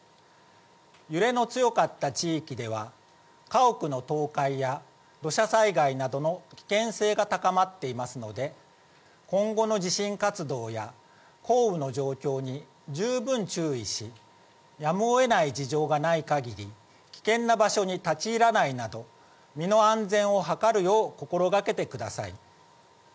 揺れの強かった地域では、家屋の倒壊や土砂災害などの危険性が高まっていますので、今後の地震活動や降雨の状況に十分注意し、やむをえない事情がないかぎり、危険な場所に立ち入らないなど、身の安全を図るよう心がけてください。